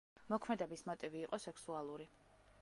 მოქმედების მოტივი იყო სექსუალური.